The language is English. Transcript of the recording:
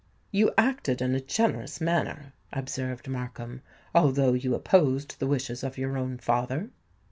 "You acted in a generous manner," observed Markham; "although you opposed the wishes of your own father."